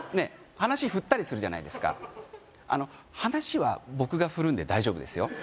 話振ったりするじゃないですかあの話は僕が振るんで大丈夫ですよ